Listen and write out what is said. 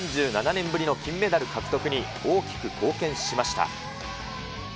３７年ぶりの金メダル獲得に大きく貢献しました。